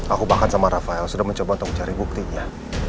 aku bahkan sama rafael sudah mencoba untuk mencari buktinya